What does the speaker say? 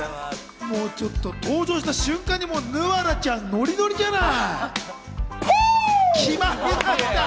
登場した瞬間にぬわらちゃん、ノリノリじゃない？